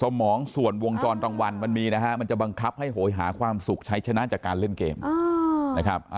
สมองส่วนวงจรรางวัลมันมีนะฮะมันจะบังคับให้โหยหาความสุขใช้ชนะจากการเล่นเกมนะครับ